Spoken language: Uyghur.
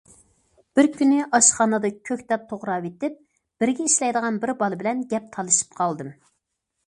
بىر كۈنى ئاشخانىدا كۆكتات توغراۋېتىپ، بىرگە ئىشلەيدىغان بىر بالا بىلەن گەپ تالىشىپ قالدىم.